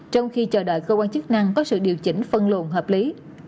trong khi chờ đợi cơ quan chức năng có sự điều chỉnh phân luồn hợp lý